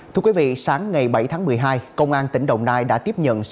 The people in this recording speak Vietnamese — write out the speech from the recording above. thưa quý vị sáng ngày bảy tháng một mươi hai công an tỉnh đồng nai đã tiếp nhận